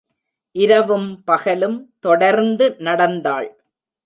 இரவும் பகலும் தொடர்ந்து நடந்தாள்.